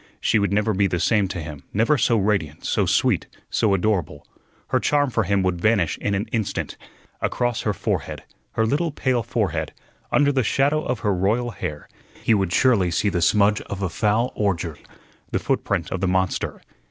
She would never be the same to him, never so radiant, so sweet, so adorable; her charm for him would vanish in an instant. Across her forehead, her little pale forehead, under the shadow of her royal hair, he would surely see the smudge of a foul ordure, the footprint of the monster.